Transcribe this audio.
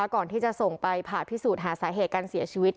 ก่อนที่จะส่งไปผ่าพิสูจน์หาสาเหตุการเสียชีวิต